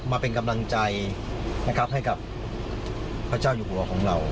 มาเป็นกำลังใจนะครับให้กับพระเจ้าอยู่หัวของเรา